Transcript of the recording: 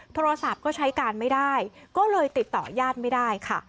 โทรศัพท์ก็ใช้การไม่ได้ก็เลยติดต่อยาดไม่ได้ค่ะ